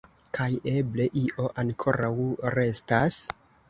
Kaj eble io ankoraŭ restas?